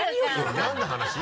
何の話？